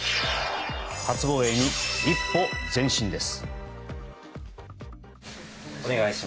初防衛に一歩前進です。